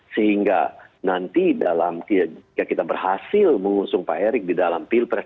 sehingga nanti dalam jika kita berhasil mengusung pak erick di dalam pilpres dua ribu dua puluh empat